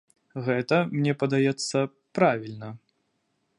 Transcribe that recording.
Гэта, мне падаецца, правільна.